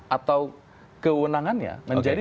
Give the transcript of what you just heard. atau kewenangannya menjadi